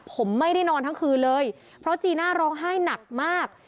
ผมไม่ได้นอนทั้งคืนเลยเพราะจีน่าร้องไห้หนักมาก